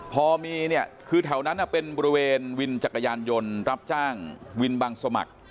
พอมีเนี่ยคือแถวนั้นเป็นบริเวณวินจักรยานยนต์รับจ้างวินบังสมัคร